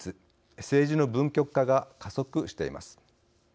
政治の分極化が加速しています。